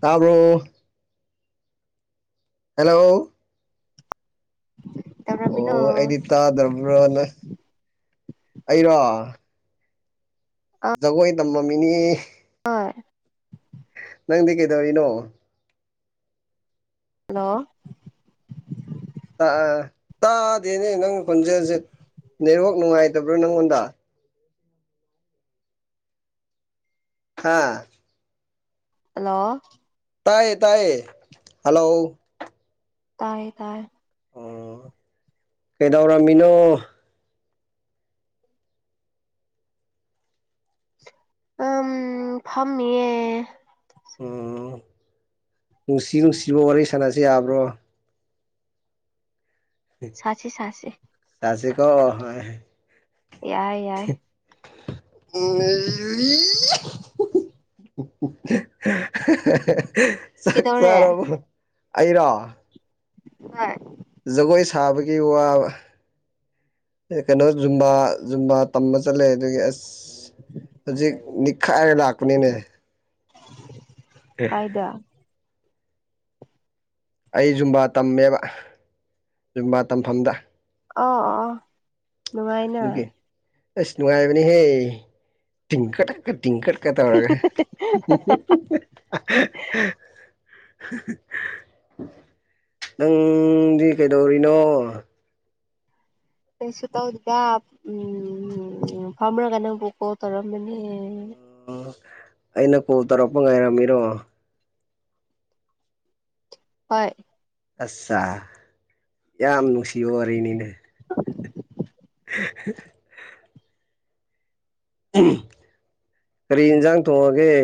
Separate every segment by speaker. Speaker 1: ꯇꯥꯕꯔꯣ ꯍꯜꯂꯣ
Speaker 2: [unintelligible]
Speaker 1: ꯑꯣ ꯑꯩꯗꯤ ꯇꯥꯗ꯭ꯔꯕ꯭ꯔꯣꯅ ꯑꯩꯔꯣ ꯖꯒꯣꯏ ꯇꯃꯝꯃꯤꯅꯤ
Speaker 2: ꯑꯣꯏ
Speaker 1: ꯅꯪꯗꯤ ꯀꯩꯗꯧꯔꯤꯅꯣ
Speaker 2: ꯍꯜꯂꯣ
Speaker 1: ꯑ ꯑ ꯑ ꯇꯥꯗꯦꯅꯦ ꯅꯪ‌ ꯈꯣꯟꯖꯦꯜꯁꯦ ꯅꯦꯠꯋꯥꯛ ꯅꯨꯡꯉꯥꯏꯇꯕ꯭ꯔꯣ ꯅꯪꯉꯣꯟꯗ ꯍꯥꯥ
Speaker 2: ꯍꯜꯂꯣ
Speaker 1: ꯇꯥꯏꯌꯦ ꯇꯥꯏꯌꯦ ꯍꯥꯜꯂꯣ
Speaker 2: ꯇꯥꯏꯌꯦ ꯇꯥꯏꯔꯦ
Speaker 1: ꯑꯣ ꯀꯩꯗꯧꯔꯝꯃꯤꯅꯣ
Speaker 2: ꯑꯝ ꯐꯝꯃꯤꯌꯦ
Speaker 1: ꯎꯝ ꯅꯨꯡꯁꯤ ꯅꯨꯡꯁꯤꯕ ꯋꯥꯔꯤ ꯁꯥꯟꯅꯁꯦ ꯌꯥꯕ꯭ꯔꯣ
Speaker 2: ꯁꯥꯁꯦ ꯁꯥꯁꯦ
Speaker 1: ꯆꯥꯁꯦꯀꯣ ꯍꯣꯏ
Speaker 2: ꯌꯥꯏ ꯌꯥꯏ
Speaker 1: [unintelligible]
Speaker 2: ꯀꯩꯗꯧꯔꯦ
Speaker 1: [unintelligible]
Speaker 2: ꯍꯣꯏ
Speaker 1: ꯖꯒꯣꯏ ꯁꯥꯕꯒꯤ ꯋꯥꯕ ꯑꯦ ꯀꯩꯅꯣ ꯖꯨꯝꯕꯥ ꯖꯨꯝꯕꯥ ꯇꯝꯕ ꯆꯠꯂꯦ ꯑꯗꯨꯒꯤ ꯑꯁ ꯏꯁ ꯍꯧꯖꯤꯛ ꯅꯤꯛꯈꯥꯏꯔ ꯂꯥꯛꯄꯅꯤꯅꯦ
Speaker 2: ꯀꯥꯏꯗ
Speaker 1: ꯑꯩ ꯖꯨꯝꯕꯥ ꯇꯝꯃꯦꯕ ꯖꯨꯝꯕꯥ ꯇꯝꯐꯝꯗ
Speaker 2: ꯑ ꯑ
Speaker 1: ꯑꯗꯨꯒꯤ ꯏꯁ ꯅꯨꯡꯉꯥꯏꯕꯅꯤ ꯍꯦ ꯇꯤꯡꯈꯠꯇ [unintelligible] ꯇꯧꯔꯒ [unintelligible] ꯅꯪꯗꯤ ꯀꯩꯗꯧꯔꯤꯅꯣ
Speaker 2: ꯀꯩꯁꯨ ꯇꯧꯗꯤꯗꯥ ꯎꯝ ꯐꯝꯔꯒ ꯅꯪꯕꯨ ꯀꯣꯜ ꯇꯧꯔꯝꯕꯅꯦ
Speaker 1: ꯎꯝ ꯑꯩꯅ ꯀꯣꯜ ꯇꯧꯔꯛꯄ ꯉꯥꯏꯔꯝꯃꯤꯔꯣ
Speaker 2: ꯍꯣꯏ
Speaker 1: ꯑꯁꯁꯥ ꯌꯥꯝ ꯅꯨꯡꯁꯤꯕ ꯋꯥꯔꯤꯅꯤꯅꯦꯍ [unintelligible] ꯀꯔꯤ ꯌꯦꯟꯁꯥꯡ ꯊꯣꯡꯉꯒꯦ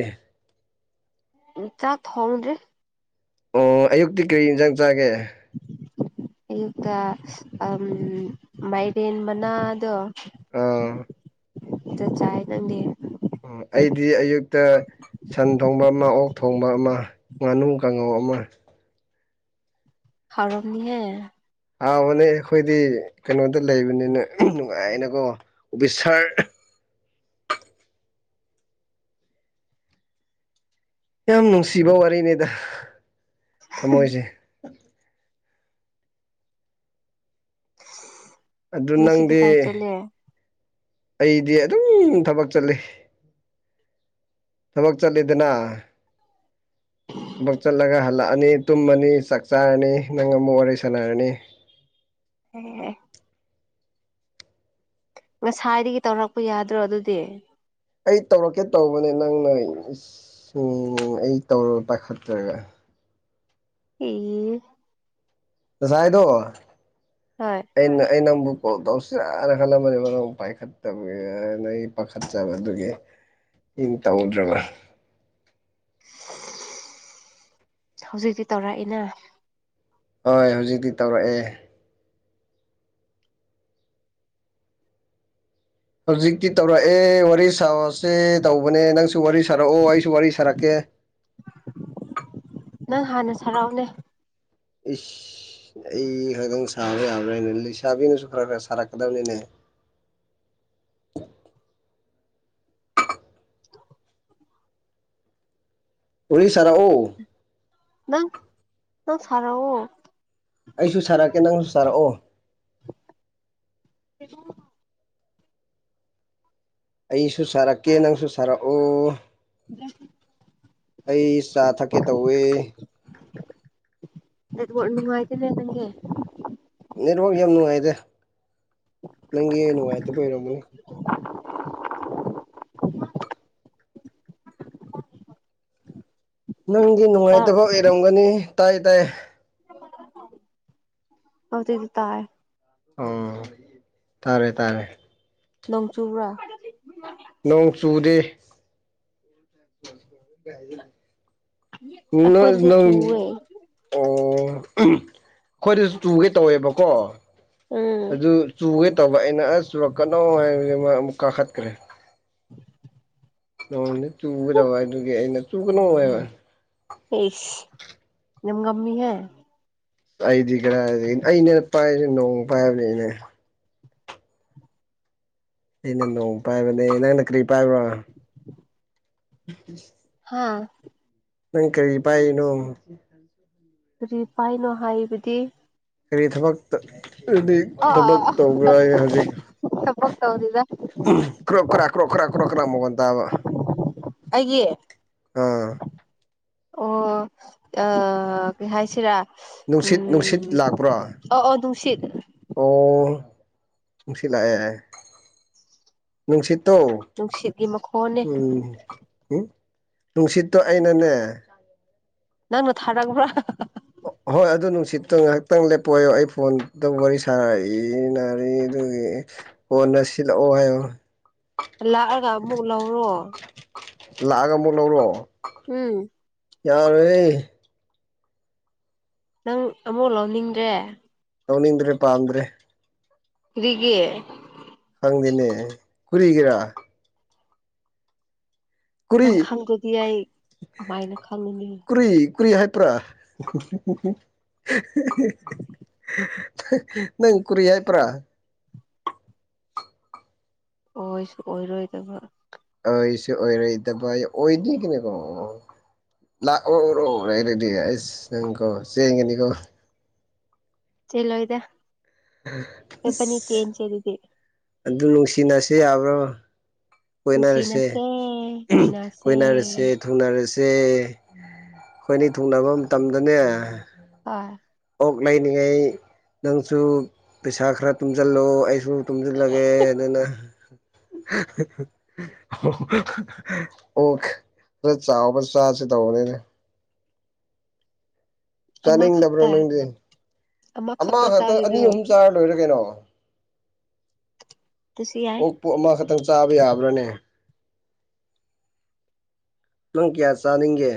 Speaker 2: ꯎꯝ ꯆꯥꯛ ꯊꯣꯡꯗ꯭ꯔꯤ
Speaker 1: ꯑꯣ ꯑꯌꯨꯛꯇꯤ ꯀꯔꯤ ꯏꯟꯁꯥꯡ ꯆꯥꯒꯦ
Speaker 2: ꯑꯌꯨꯛꯇ ꯑꯝ ꯃꯥꯏꯔꯦꯟ ꯃꯅꯥꯗꯣ
Speaker 1: ꯑꯥ
Speaker 2: ꯑꯗꯨ ꯆꯥꯏꯌꯦ ꯅꯪꯗꯤ
Speaker 1: ꯎꯝ ꯑꯩꯗꯤ ꯑꯌꯨꯛꯇ ꯁꯟ ꯊꯣꯡꯕ ꯑꯃ ꯑꯣꯛ ꯊꯣꯡꯕ ꯑꯃ ꯉꯥꯅꯨ ꯀꯥꯡꯉꯧ ꯑꯃ
Speaker 2: ꯍꯥꯎꯔꯝꯅꯤꯍꯦ
Speaker 1: ꯍꯥꯎꯕꯅꯦ ꯑꯩꯈꯣꯏꯗꯤ ꯀꯩꯅꯣꯗ ꯂꯩꯕꯅꯤꯅꯦ ꯅꯨꯡꯉꯥꯏꯅꯀꯣ ꯑꯣꯐꯤꯁꯥꯔ ꯌꯥꯝ ꯅꯨꯡꯁꯤꯕ ꯋꯥꯔꯤꯅꯦꯗ ꯊꯝꯃꯣꯏꯁꯤ
Speaker 2: [unintelligible]
Speaker 1: ꯑꯗꯨ
Speaker 2: ꯉꯁꯤꯗꯤ
Speaker 1: ꯅꯪꯗꯤ
Speaker 2: ꯀꯥꯏ ꯆꯠꯂꯦ
Speaker 1: ꯑꯩꯗꯤ ꯑꯗꯨꯝ ꯊꯕꯛ ꯆꯠꯂꯤ ꯊꯕꯛ ꯆꯠꯂꯦꯗꯅ ꯊꯕꯛ ꯆꯠꯂꯒ ꯍꯜꯂꯛꯑꯅꯤ ꯇꯨꯝꯃꯅꯤ ꯆꯥꯛ ꯆꯥꯔꯅꯤ ꯅꯪꯒ ꯑꯃꯨꯛ ꯋꯥꯔꯤ ꯁꯥꯟꯅꯔꯅꯤ
Speaker 2: ꯑꯦꯑꯦꯑꯦꯍ ꯉꯁꯥꯏꯗꯒꯤ ꯇꯧꯔꯛꯄ ꯌꯥꯗ꯭ꯔꯣ ꯑꯗꯨꯗꯤ
Speaker 1: ꯑꯩ ꯇꯧꯔꯛꯀꯦ ꯇꯧꯕꯅꯦ ꯅꯪꯅ [unintelligible] ꯑꯩ ꯇꯧꯔꯒ ꯄꯥꯏꯈꯠꯇ꯭ꯔꯒ
Speaker 2: ꯏꯍ
Speaker 1: ꯉꯁꯥꯏꯗꯣ
Speaker 2: ꯍꯣꯏ
Speaker 1: ꯑꯩꯅ ꯑꯩ ꯅꯪꯕꯨ ꯀꯣꯜ ꯇꯧꯁꯤꯔꯥꯅ ꯈꯜꯂꯝꯕꯅꯦ ꯅꯪ ꯑꯃꯨꯛ ꯄꯥꯏꯈꯠ__ ꯇꯕꯤꯔꯣꯏ ꯅ ꯑꯩ ꯄꯥꯈꯠꯆꯕ ꯑꯗꯨꯒꯤ ꯗꯨꯝ ꯇꯧꯗ꯭ꯔꯕ
Speaker 2: [unintelligible] ꯍꯧꯖꯤꯛꯇꯤ ꯇꯧꯔꯛꯏꯅ
Speaker 1: ꯍꯣꯏ ꯍꯧꯖꯤꯛꯇꯤ ꯇꯧꯔꯛꯑꯦ ꯍꯧꯖꯤꯛꯇꯤ ꯇꯧꯔꯛꯑꯦ ꯋꯥꯔꯤ ꯁꯥꯔꯁꯦ ꯇꯧꯕꯅꯦ ꯅꯪꯁꯨ ꯋꯥꯔꯤ ꯁꯥꯔꯛꯑꯣ ꯑꯩꯁꯨ ꯋꯥꯔꯤ ꯁꯥꯔꯛꯀꯦ
Speaker 2: ꯅꯪ ꯍꯥꯟꯅ ꯁꯥꯔꯛꯎꯅꯦ
Speaker 1: ꯏꯁ ꯑꯩ ꯈꯛꯇꯪ ꯁꯥꯕ ꯌꯥꯕ꯭ꯔꯥꯅꯦ ꯂꯩꯁꯥꯥꯕꯤꯅꯁꯨ ꯈꯔ ꯈꯔ ꯁꯥꯔꯛꯀꯗꯕꯅꯤꯅꯦ [unintelligible]
Speaker 2: [unintelligible]
Speaker 1: ꯋꯥꯔꯤ ꯁꯥꯔꯛꯑꯣ
Speaker 2: ꯅꯪ ꯅꯪ ꯁꯥꯔꯛꯑꯣ
Speaker 1: ꯑꯩꯁꯨ ꯁꯥꯔꯛꯀꯦ ꯅꯪꯁꯨ ꯁꯥꯔꯛꯑꯣ
Speaker 2: [unintelligible]
Speaker 1: ꯑꯩꯁꯨ ꯁꯥꯔꯛꯀꯦ ꯅꯪꯁꯨ ꯁꯥꯔꯛꯑꯣ
Speaker 2: [unintelligible]
Speaker 1: ꯑꯩ ꯆꯥ ꯊꯛꯀꯦ ꯇꯧꯋꯦ
Speaker 2: ꯅꯦꯠꯋꯥꯔꯛ ꯅꯨꯡꯉꯥꯏꯇꯦꯗ ꯅꯪꯒꯤ
Speaker 1: ꯅꯦꯠꯋꯛ ꯌꯥꯝ ꯅꯨꯡꯉꯥꯏꯗ ꯅꯪꯒꯤ ꯅꯨꯡꯉꯥꯏꯇꯕꯩ ꯑꯣꯏꯔꯝꯒꯅꯤ
Speaker 2: [unintelligible]
Speaker 1: ꯅꯪꯒꯤ ꯅꯨꯡꯉꯥꯏꯇꯕ ꯑꯣꯏꯔꯝꯒꯅꯤ ꯇꯥꯏ ꯇꯥꯏ
Speaker 2: [unintelligible] ꯍꯧ ꯊꯗꯤ ꯇꯥꯦ
Speaker 1: ꯑꯣ ꯇꯥꯔꯦ ꯇꯥꯔꯦ
Speaker 2: ꯅꯣꯡ ꯆꯨꯕ꯭ꯔꯥ
Speaker 1: ꯅꯣꯡ ꯆꯨꯗꯦ
Speaker 2: [inaudible] ꯑꯩꯈꯣꯏꯗꯗꯤ
Speaker 1: ꯍꯨꯟꯅꯅ
Speaker 2: ꯆꯨꯋꯦ
Speaker 1: [unintelligible] ꯑꯣ ꯑꯩꯈꯣꯏꯗꯁꯨ ꯆꯨꯒꯦ ꯇꯧꯋꯦꯕꯀꯣ
Speaker 2: ꯎꯝ
Speaker 1: ꯑꯗꯨ ꯆꯨꯒꯦ ꯇꯧꯕ ꯑꯩꯅ ꯑꯁ ꯆꯨꯔꯛꯀꯅꯣ ꯍꯥꯏꯕꯗꯩ ꯃꯥ ꯑꯃꯨꯛ ꯀꯥꯈꯠꯈ꯭ꯔꯦ
Speaker 2: [unintelligible]
Speaker 1: ꯅꯣꯡꯗꯤ ꯆꯨꯒꯗꯕ ꯑꯗꯨꯒꯤ ꯑꯩꯅ ꯆꯨꯒꯅꯨ ꯍꯥꯏꯕ
Speaker 2: ꯑꯦꯁ ꯌꯥꯝ ꯉꯝꯃꯤꯍꯦ
Speaker 1: ꯑꯩꯗꯤ ꯀꯔꯥꯏꯗꯒꯤ ꯑꯩꯅ ꯄꯥꯏꯔꯤꯁꯦ ꯅꯣꯡ ꯄꯥꯏꯕꯅꯦ ꯑꯅꯦ ꯑꯩꯅ ꯅꯣꯡ ꯄꯥꯏꯕꯅꯦ ꯅꯪꯅ ꯀꯔꯤ ꯄꯥꯏꯕ꯭ꯔ ꯎ [unintelligible]
Speaker 2: ꯍꯥꯥ
Speaker 1: ꯅꯪ ꯀꯔꯤ ꯄꯥꯏꯔꯤꯅꯣ
Speaker 2: ꯀꯔꯤ ꯄꯥꯏꯅꯣ ꯍꯥꯏꯕꯗꯤ
Speaker 1: ꯀꯔꯤ ꯊꯕꯛ ꯑꯗꯨꯗꯤ ꯊꯕꯛ
Speaker 2: ꯑ
Speaker 1: ꯇꯧꯕ꯭ꯔꯥ ꯍꯥꯏ ꯍꯧꯖꯤꯛ
Speaker 2: ꯊꯕꯛ ꯇꯧꯗꯦꯗ
Speaker 1: ꯀ꯭ꯔꯣꯛ ꯀ꯭ꯔꯥꯛ ꯀ꯭ꯔꯣꯛ ꯀ꯭ꯔꯥꯛ ꯀ꯭ꯔꯣ ꯀ꯭ꯔꯥꯛ ꯃꯈꫭꯟ ꯇꯥꯕ
Speaker 2: ꯑꯩꯒꯤ
Speaker 1: ꯑꯥ
Speaker 2: ꯑꯣ ꯑ ꯀꯩ ꯍꯥꯏꯁꯤꯔ
Speaker 1: ꯅꯨꯡꯁꯤꯠ ꯅꯨꯡꯁꯤꯠ
Speaker 2: ꯎꯝ
Speaker 1: ꯂꯥꯛꯄ꯭ꯔꯣ
Speaker 2: ꯑꯣ ꯑꯣ ꯅꯨꯡꯁꯤꯠ
Speaker 1: ꯑꯣ ꯅꯨꯡꯁꯤꯠ ꯂꯥꯛꯑꯦ ꯑꯦ ꯅꯨꯡꯁꯤꯠꯇꯣ
Speaker 2: ꯅꯨꯡꯁꯤꯠꯀꯤ ꯃꯈꯣꯟꯅꯦ
Speaker 1: ꯎꯝ ꯍꯨꯡ ꯅꯨꯡꯁꯤꯠꯇꯣ ꯑꯩꯅꯅꯦ
Speaker 2: ꯅꯪꯅ ꯊꯥꯔꯛꯄ꯭ꯔꯥ
Speaker 1: ꯍꯣꯏ ꯑꯗꯨ ꯅꯨꯡꯁꯤꯠꯇꯣ ꯉꯥꯛꯇꯪ ꯂꯦꯞꯄꯣꯌꯣ ꯑꯩ ꯐꯣꯟ ꯇ ꯋꯥꯔꯤ ꯁꯥꯔꯤ ꯏꯅꯔꯤ ꯑꯗꯨꯒꯤ ꯀꯣꯟꯅ ꯁꯤꯜꯂꯛꯑꯣ ꯍꯥꯏꯌꫭ
Speaker 2: ꯍꯂꯛꯑꯒ ꯑꯃꯨꯛ ꯂꯧꯔꯣ
Speaker 1: ꯂꯥꯛꯑꯒ ꯑꯃꯨꯛ ꯂꯧꯔꯣ
Speaker 2: ꯎꯝ
Speaker 1: ꯌꯥꯔꯣꯏꯌꯦ
Speaker 2: ꯅꯪ ꯑꯃꯨꯛ ꯂꯧꯅꯤꯡꯗ꯭ꯔꯦ
Speaker 1: ꯂꯧꯅꯤꯡꯗ꯭ꯔꯦ ꯄꯥꯝꯗ꯭ꯔꯦ
Speaker 2: ꯀꯔꯤꯒꯤ
Speaker 1: ꯈꯪꯗꯦꯅꯦ ꯀꯨꯔꯤꯒꯤꯔꯥ ꯀꯨꯔꯤ
Speaker 2: ꯅꯪ ꯈꯪꯗ꯭ꯔꯗꯤ ꯑꯩ ꯀꯃꯥꯏꯅ ꯈꯪꯒꯅꯤ
Speaker 1: ꯀꯨꯔꯤ ꯀꯨꯔꯤ ꯍꯥꯏꯄ꯭ꯔꯥ [unintelligible] ꯅꯪ ꯀꯨꯔꯤ ꯍꯥꯏꯄ꯭ꯔꯥ
Speaker 2: ꯑꯣꯏꯁꯨ ꯑꯣꯏꯔꯣꯏꯗꯕ
Speaker 1: ꯑꯣꯏꯁꯨ ꯑꯣꯏꯔꯣꯏꯗꯕꯌꯦ ꯑꯣꯏ ꯗꫭꯏꯅꯤꯀꫭ ꯂꯥꯛꯑꯣꯔꯣ ꯋꯥꯏꯔꯗꯤ ꯑꯁ ꯅꯪ ꯀꯣ ꯆꯦꯟꯒꯅꯤꯀꯣ
Speaker 2: ꯆꯤ ꯂꯣꯏꯗ
Speaker 1: ꯑꯁ
Speaker 2: [unintelligible]
Speaker 1: ꯑꯗꯨ ꯅꯨꯡꯁꯤꯅꯁꯦ ꯌꯥꯕ꯭ꯔꯣ ꯀꯣꯏꯅꯔꯁꯦ
Speaker 2: ꯅꯨꯡꯁꯤꯅꯁꯦ ꯀꯣꯏꯅꯁꯦ
Speaker 1: ꯀꯣꯏꯅꯔꯁꯦ ꯊꯨꯡꯅꯔꯁꯦ ꯑꯩꯈꯣꯏꯅꯤ ꯊꯨꯡꯅꯕ ꯃꯇꯝꯗꯅꯦ
Speaker 2: ꯍꫭꯏ
Speaker 1: ꯑꯣꯛ ꯂꯩꯅꯤꯉꯩ ꯅꯪꯁꯨ ꯄꯩꯁꯥ ꯈꯔ ꯇꯨꯡꯖꯜꯂꯣ ꯑꯩꯁꯨ ꯇꯨꯝꯖꯤꯜꯂꯒꯦ ꯑꯗꯨꯅ ꯑꯣ ꯈꯔ ꯆꯥꯎꯕ ꯆꯥꯁꯤ ꯇꯧꯕꯅꯤꯅꯦ ꯆꯥꯅꯤꯡꯗꯕ꯭ꯔꯥ
Speaker 2: ꯑꯃꯈꯛꯇ
Speaker 1: ꯅꯪꯗꯤ ꯑꯃ
Speaker 2: ꯑꯃꯈꯛꯇ
Speaker 1: ꯈꯛꯇꯪ ꯑꯅꯤ
Speaker 2: ꯆꯥꯈꯤꯗꯣꯏꯔꯣ
Speaker 1: ꯑꯍꯨꯝ ꯆꯥꯔ ꯂꯣꯏꯔꯦ ꯀꯩꯅꯣ
Speaker 2: ꯑꯗꯨꯁꯨ ꯌꯥꯏ
Speaker 1: ꯄꯣ ꯑꯃꯈꯛꯇꯪ ꯆꯥꯕ ꯌꯥꯕ꯭ꯔꯥꯅꯦ ꯅꯪ ꯀꯌꯥ ꯆꯥꯅꯤꯡꯒꯦ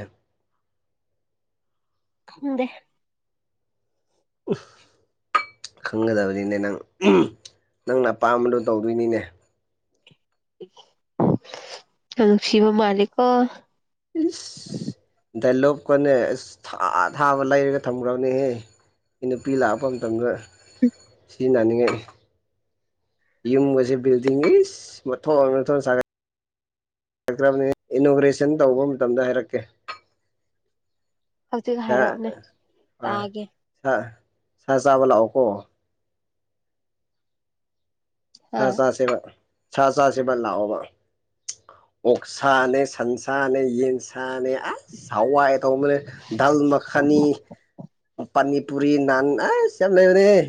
Speaker 2: ꯈꯪꯗꯦ
Speaker 1: [unintelligible] ꯈꯪꯒꯗꯕꯅꯤꯅꯦ ꯅꯪ ꯅꯪꯅ ꯑꯄꯥꯝꯕꯗꯣ ꯇꯧꯗꯣꯏꯅꯤꯅꯦ
Speaker 2: ꯌꯥꯝ ꯅꯨꯡꯁꯤꯕ ꯃꯥꯜꯂꯤꯀꯣ
Speaker 1: ꯏꯁ ꯗꯥꯏꯂꯣꯞꯀꯅꯦ ꯑꯁ ꯊꯥ ꯊꯥꯕ ꯂꯩꯔꯒ ꯊꯝꯒ꯭ꯔꯕꯅꯦꯍꯦ ꯑꯩ ꯅꯨꯄꯤ ꯂꯥꯛꯄ ꯃꯇꯝꯗ ꯁꯤꯖꯤꯟꯅꯅꯤꯡꯉꯥꯏ ꯌꯨꯝꯒꯖꯦ ꯕꯤꯜꯗꯤꯡ ꯏꯁ ꯃꯊꯣꯟ ꯃꯊꯣꯟ ꯁꯥꯒꯠ ꯁꯒꯠꯈꯔꯅꯦ ꯏꯅꯣꯒ꯭ꯔꯦꯁꯟ ꯇꯧꯕ ꯃꯇꯝꯗ ꯍꯥꯏꯔꯛꯀꯦ
Speaker 2: ꯍꯧꯖꯤꯛ ꯍꯥꯏꯔꯛꯑꯣꯅꯦ ꯇꯥꯒꯦ
Speaker 1: [unintelligible] ꯁꯥ ꯆꯥꯕ ꯂꯥꯛꯑꯣꯀꯣ
Speaker 2: ꯍꯥ
Speaker 1: ꯁꯥ ꯆꯥꯁꯦꯕ ꯁꯥ ꯆꯥꯁꯦꯕ ꯂꯥꯛꯑꯣꯕ ꯑꯣꯛꯁꯥꯅꯦ ꯁꯟꯁꯥꯅꯦ ꯌꯦꯟꯁꯥ ꯁꯥꯅꯦ ꯑꯁ ꯍꯋꯥꯏ ꯑꯦ ꯊꯧꯕꯅꯦ ꯗꯜ ꯃꯈꯜꯅꯤ ꯄꯥꯅꯤ ꯄꯨꯔꯤ ꯅꯥꯟ ꯑꯁ ꯌꯥꯝ ꯂꯩꯕꯅꯦꯍꯦ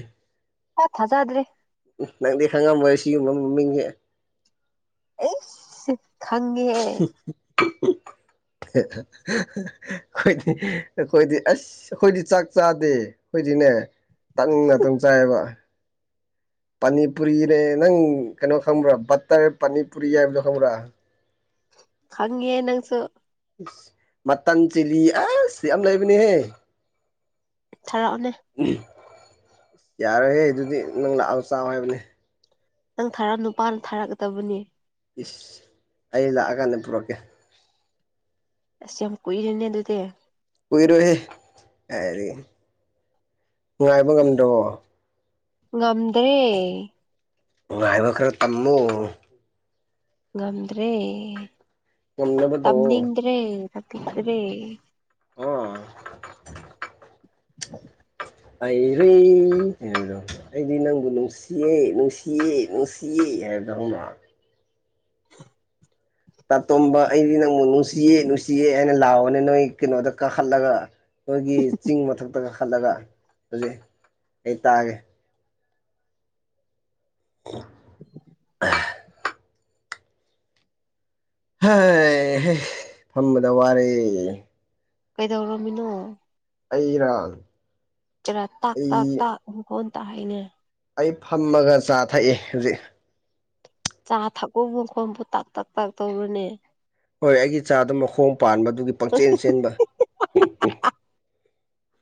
Speaker 2: ꯑꯣ ꯊꯥꯖꯗ꯭ꯔꯦ
Speaker 1: ꯅꯪꯗꯤ ꯈꯪꯉꯝꯃꯣꯏ ꯑꯁꯤꯒꯨꯝꯕ ꯃꯃꯤꯡꯖꯦ
Speaker 2: ꯏꯁ ꯈꯪꯉꯦꯍꯦ
Speaker 1: ꯑꯩꯈꯣꯏꯗꯤ ꯑꯩꯈꯣꯏꯗꯤ ꯑꯁ ꯑꯩꯈꯣꯏꯗꯤ ꯆꯥꯛ ꯆꯥꯗꯦ ꯑꯩꯈꯣꯏꯗꯤꯅꯦ ꯇꯟ ꯑꯗꯨꯝ ꯆꯥꯏꯌꯦꯕ ꯄꯥꯅꯤꯄꯨꯔꯤꯔꯦ ꯅꯪ ꯀꯩꯅꯣ ꯈꯪꯕ꯭ꯔꯥ ꯕꯠꯇꯔ ꯄꯥꯅꯤꯄꯨꯔꯤ ꯍꯥꯏꯕꯗꯣ ꯈꯪꯕ꯭ꯔꯥ
Speaker 2: ꯈꯪꯉꯦ ꯅꯪꯁꯨ
Speaker 1: ꯃꯇꯟ ꯆꯤꯂꯤ ꯑꯁ ꯌꯥꯝ ꯂꯩꯕꯅꯦꯍꯦ
Speaker 2: ꯊꯥꯔꯛꯑꯣꯅꯦ
Speaker 1: ꯑꯨꯝ ꯌꯥꯔꯣꯏꯍꯦ ꯑꯗꯨꯗꯤ ꯅꯪ ꯂꯥꯛꯑꯣ ꯆꯥꯎ ꯍꯥꯏꯕꯅꯦ
Speaker 2: ꯅꯪ ꯊꯥꯔꯛꯑ ꯅꯨꯄꯥꯅ ꯊꯥꯔꯛꯀꯗꯕꯅꯦ
Speaker 1: ꯏꯁ ꯑꯩ ꯂꯥꯛꯑꯀꯥꯟꯗ ꯄꯨꯔꯛꯀꯦ
Speaker 2: ꯑꯁ ꯌꯥꯝ ꯀꯨꯏꯔꯤꯅꯦ ꯑꯗꯨꯗꯤ
Speaker 1: ꯀꯨꯏꯔꯣꯏꯍꯦ ꯀꯥꯏꯗꯩ ꯉꯥꯏꯕ ꯉꯝꯗꯔ꯭ꯕꯣ
Speaker 2: ꯉꯝꯗ꯭ꯔꯦ
Speaker 1: ꯉꯥꯏꯕ ꯈꯔ ꯇꯝꯃꯨ
Speaker 2: ꯉꯝꯗ꯭ꯔꯦ
Speaker 1: ꯉꯝꯅꯕ ꯇꯧꯑꯣ
Speaker 2: ꯇꯝꯅꯤꯡꯗ꯭ꯔꯦ ꯇꯥꯛꯄꯤꯗ꯭ꯔꯦ
Speaker 1: ꯑꯥ
Speaker 2: [unintelligible]
Speaker 1: ꯑꯩꯔꯤ [unintelligible] ꯑꯩꯗꯤ ꯅꯪꯕꯨ ꯅꯨꯡꯁꯤꯌꯦ ꯅꯨꯡꯁꯤꯌꯦ ꯅꯨꯡꯁꯤꯌꯦ ꯍꯥꯏꯕꯗꯣ ꯈꯪꯕꯔ
Speaker 2: [unintelligible]
Speaker 1: ꯇꯥꯇꯣꯝꯕ ꯑꯩꯗꯤ ꯅꯪꯕꯨ ꯅꯨꯡꯁꯤꯌꯦ ꯅꯨꯡꯁꯤꯌꯦ ꯍꯥꯏꯅ ꯂꯥꯎꯕꯅꯦ ꯅꯣꯏ ꯀꯩꯅꯣꯗ ꯀꯥꯈꯠꯂꯒ ꯃꯣꯏꯒꯤ ꯆꯤꯡ ꯃꯊꯛꯇ ꯀꯈꯠꯂꯒ ꯍꯧꯖꯤꯛ ꯑꯩ ꯇꯥꯒꯦ [unintelligible] ꯍꯥꯏ ꯍꯦ ꯐꯝꯕꯗ ꯋꯥꯔꯦ
Speaker 2: ꯀꯩꯗꯧꯔꯝꯃꯤꯅꯣ
Speaker 1: ꯑꯩ ꯔ
Speaker 2: ꯈꯔ ꯇꯥꯛ ꯇꯥꯛ ꯇꯥꯛ ꯍꯨ ꯍꯣꯟ ꯇꯥ ꯍꯥꯏꯅꯦ
Speaker 1: ꯑꯩ ꯐꯝꯃꯒ ꯆꯥ ꯊꯛꯏ ꯍꯧꯖꯤꯛ
Speaker 2: ꯆꯥ ꯊꯛꯄꯕ ꯈꯣꯕꯨ ꯇꯥꯛ ꯇꯛ ꯇꯥꯛ ꯇꯧꯕꯔꯅꯦ
Speaker 1: ꯍꯣꯏ ꯑꯩꯒꯤ ꯆꯥꯗ ꯃꯈꯣꯡ ꯄꯥꯟꯕ ꯑꯗꯨꯒꯤ ꯄꯪꯆꯦꯟ ꯆꯦꯟꯕ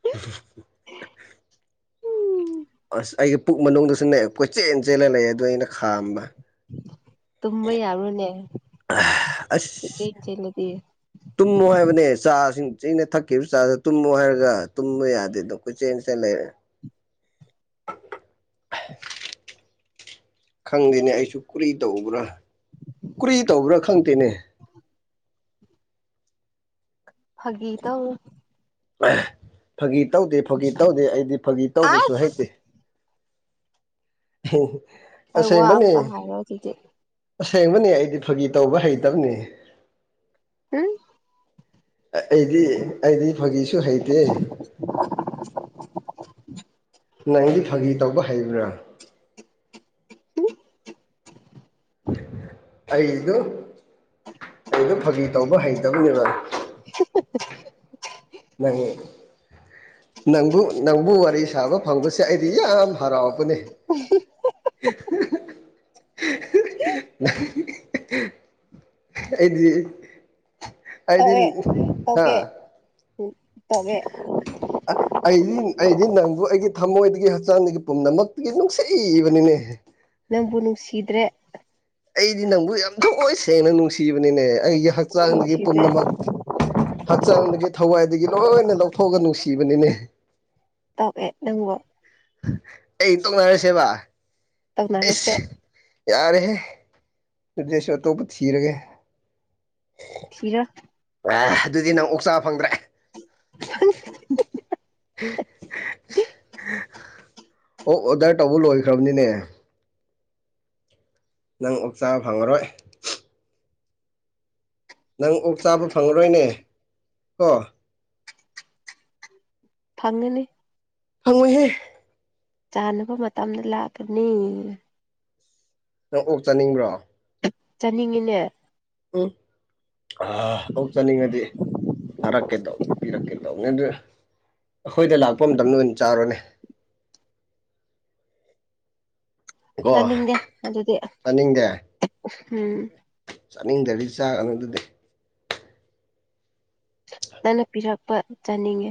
Speaker 1: [inaudible] ꯑꯁ ꯑꯩꯒꯤ ꯄꯨꯛ ꯃꯅꯨꯡꯗꯁꯨꯅꯦ ꯀꯣꯏꯆꯦꯜ ꯆꯦꯜꯂ ꯂꯩ ꯑꯗꯨꯗꯣ ꯑꯩꯅ ꯈꯥꯝꯕ
Speaker 2: ꯇꯨꯝꯕ ꯌꯥꯕꯣꯅꯦ
Speaker 1: ꯑꯁ
Speaker 2: ꯀꯣꯏꯆꯦꯟ ꯆꯦꯟ ꯂꯗꯤ꯫
Speaker 1: ꯇꯨꯝꯃꯣ ꯍꯥꯏꯕꯅꯦ ꯆꯥꯁꯤꯡ ꯆꯅ ꯊꯛꯈꯤꯕ ꯆꯥꯁꯤ ꯇꯨꯝꯃꯣ ꯍꯥꯏꯔꯒ ꯇꯨꯝꯕ ꯌꯥꯗꯦꯗ꯫ ꯀꯣꯢ ꯆꯦꯟ ꯆꯦꯟ ꯂꯩꯔꯦ꯫ ꯈꯪꯗꯦꯅꯦ ꯑꯩꯁꯨ ꯀꯨꯔꯤ ꯇꯧꯕ꯭ꯔꯥ ꯀꯨꯔꯤ ꯇꯧꯕ꯭ꯔꯥ ꯈꯪꯗꯦꯅꯦ꯫
Speaker 2: ꯐꯒꯤ ꯇꯧ
Speaker 1: ꯐꯥꯒꯤ ꯇꯧꯗꯦ ꯐꯥꯒꯤ ꯇꯧꯗꯦ ꯑꯩꯗꯤ ꯐꯥꯒꯤ ꯇꯧꯕꯁꯨ ꯍꯩꯇꯦ꯫
Speaker 2: ꯑꯁ ꯑꯩ ꯋꯥ
Speaker 1: ꯑꯁꯦꯡꯕꯅꯤ꯫
Speaker 2: ꯑꯝꯇ ꯍꯥꯏꯔꯣ ꯑꯗꯨꯗꯤ
Speaker 1: ꯑꯁꯦꯡꯕꯅꯤ ꯑꯩꯗꯤ ꯐꯥꯒꯤ ꯇꯧꯕ ꯍꯩꯇꯕꯅꯤ꯫
Speaker 2: ꯍꯥꯝ
Speaker 1: ꯑꯩꯗꯤ ꯑꯩꯗꯤ ꯐꯥꯒꯤꯁꯨ ꯍꯩꯇꯦ꯫
Speaker 2: [inaudible]
Speaker 1: ꯅꯪꯗꯤ ꯐꯥꯒꯤ ꯇꯧꯕ ꯍꯩꯕ꯭ꯔꯥ
Speaker 2: [unintelligible]
Speaker 1: ꯑꯩꯗꯨ ꯑꯩꯗꯣ ꯐꯥꯒꯤ ꯇꯧꯕ ꯍꯩꯇꯕꯅꯦꯕ
Speaker 2: [unintelligible]
Speaker 1: ꯅꯪ ꯅꯪꯕꯨ ꯅꯪꯕꯨ ꯋꯥꯔꯤ ꯁꯥꯕ ꯐꯪꯕꯁꯦ ꯑꯩꯗꯤ ꯌꯥꯝ ꯍꯔꯥꯎꯕꯅꯦ꯫ [unintelligible] ꯑꯩꯗꯤ
Speaker 2: ꯇꯧꯑꯦ
Speaker 1: ꯍꯥ
Speaker 2: ꯇꯧꯀꯦ ꯎꯝ ꯇꯧꯒꯦ ꯫
Speaker 1: ꯑꯁ ꯑꯩꯗꯤ ꯑꯩꯗꯤ ꯅꯪꯕꯨ ꯑꯩꯒꯤ ꯊꯝꯃꯣꯏꯗꯒꯤ ꯍꯛꯆꯥꯡꯗꯒꯤ ꯄꯨꯝꯅꯃꯛꯇꯨꯒꯤ ꯅꯨꯡꯁꯤꯕꯅꯤꯅꯦꯍ꯫
Speaker 2: ꯅꯪꯕꯨ ꯅꯨꯡꯁꯤꯗ꯭ꯔꯦ꯫
Speaker 1: ꯑꯩꯗꯤ ꯅꯪꯕꯨ ꯌꯥꯝ ꯊꯣꯏ ꯁꯦꯡꯅ ꯅꯨꯡꯁꯤꯕꯅꯤꯅꯦ ꯑꯩꯒꯤ ꯍꯛꯆꯥꯡꯗꯒꯤ
Speaker 2: ꯅꯨꯡꯁꯤꯗ꯭ꯔꯦ
Speaker 1: ꯄꯨꯝꯅꯃꯛ ꯍꯛꯆꯥꯡꯗꯒꯤ ꯊꯋꯥꯏꯗꯒꯤ ꯂꯣꯏꯅ ꯂꯧꯊꯣꯛꯑꯒ ꯅꯨꯡꯁꯤꯕꯅꯤꯅꯦ꯫
Speaker 2: ꯇꯧꯋꯦ ꯅꯪꯕꯣ
Speaker 1: ꯑꯩ ꯏꯇꯣꯡꯅꯔꯁꯦꯕ꯫
Speaker 2: ꯇꯧꯅꯔꯁꯦ
Speaker 1: ꯑꯩꯁ ꯌꯥꯔꯦꯍꯦ ꯗꯦꯁꯣꯔ ꯑꯇꯣꯞꯄ ꯊꯤꯔꯒꯦ꯫
Speaker 2: ꯊꯤꯔ
Speaker 1: ꯑꯦ ꯑꯗꯨꯗꯤ ꯅꯪ ꯑꯣꯛ ꯆꯥ ꯐꯪꯗ꯭ꯔꯦ꯫ [inaudible] ꯑꯣꯛ ꯑꯣꯗꯔ ꯇꯧꯕ ꯂꯣꯏꯈ꯭ꯔꯕꯅꯤꯅꯦ꯫ ꯅꯪ ꯑꯣꯛ ꯆꯥꯕ ꯐꯪꯉꯔꯣꯏ꯫ ꯅꯪ ꯑꯣꯛ ꯆꯥꯕ ꯐꯪꯂꯔꯣꯏꯅꯦ ꯀꯣ꯫
Speaker 2: ꯐꯪꯉꯒꯅꯤ꯫
Speaker 1: ꯍꯪꯉꯣꯏꯍꯦ꯫
Speaker 2: ꯆꯥꯅꯕ ꯃꯇꯝꯗ ꯂꯥꯛꯄꯅꯤ꯫
Speaker 1: ꯅꯪ ꯑꯣꯛ ꯆꯥꯅꯤꯡꯕ꯭ꯔꯣ꯫
Speaker 2: ꯆꯠꯅꯤꯡꯉꯤꯅꯦ꯫
Speaker 1: ꯎꯝ ꯑꯣꯛ ꯆꯠꯅꯤꯡꯉꯗꯤ꯫ ꯊꯥꯔꯛꯀꯦ ꯇꯧꯕꯅꯤ ꯄꯤꯔꯛꯀꯦ ꯇꯧꯕꯅꯤ ꯑꯗꯨ ꯑꯩꯈꯣꯏꯗ ꯂꯥꯛꯄ ꯃꯇꯝꯗ ꯑꯣꯏꯅ ꯆꯥꯔꯣꯅꯦ꯫ ꯀꯣ
Speaker 2: ꯂꯪꯅꯤꯡꯗꯦ ꯑꯗꯨꯗꯤ ꯎꯝ
Speaker 1: ꯆꯥꯅꯤꯡꯗꯔꯤ ꯆꯥꯛ ꯑꯗꯨ ꯑꯗꯨꯗꯤ꯫
Speaker 2: ꯅꯪꯅꯥ ꯄꯤꯔꯛꯄ ꯆꯥꯅꯤꯡꯉꯦ꯫